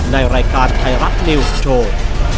ในรายการไทยรัฐนิวส์โชว์